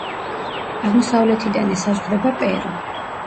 აღმოსავლეთიდან ესაზღვრება პერუ.